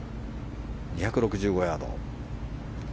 ２６５ヤード。